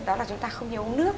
đó là chúng ta không nhớ uống nước